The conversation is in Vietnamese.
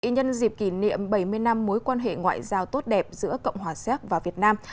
nhân dịp kỷ niệm bảy mươi năm mối quan hệ ngoại giao tốt đẹp giữa cộng hòa xéc và việt nam